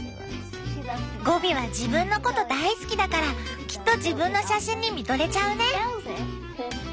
ゴビは自分のこと大好きだからきっと自分の写真に見とれちゃうね。